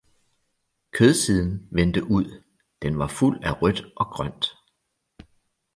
kødsiden vendte ud, den var fuld af rødt og grønt.